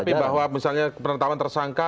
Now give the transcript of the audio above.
tapi bahwa misalnya penetapan tersangka